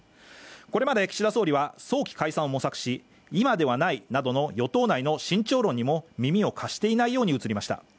これまで岸田総理は早期解散を模索し今ではないなどの与党内の慎重論にも耳を貸していないように映りました。